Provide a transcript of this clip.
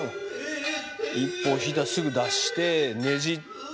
一歩引いたらすぐ出してねじって。